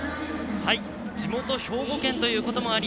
地元・兵庫県ということもあり